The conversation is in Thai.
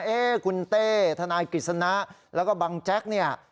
เอ๊คุณเต้ทนายกฤษณะแล้วก็บังแจ๊กเนี่ย